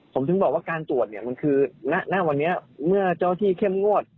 ผมถึงบอกว่าการตรวจเนี่ยมันคือณวันนี้เมื่อเจ้าที่เข้มงวด